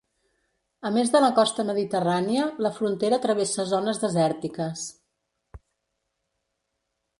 A més de la costa mediterrània, la frontera travessa zones desèrtiques.